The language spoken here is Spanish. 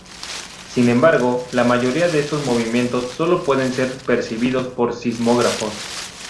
Sin embargo, la mayoría de estos movimientos sólo pueden ser percibidos por sismógrafos.